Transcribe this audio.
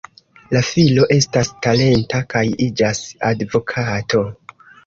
La filo estas talenta kaj iĝas advokato.